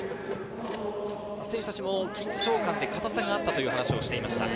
選手たちも緊張感で硬さがあったという話をしていました。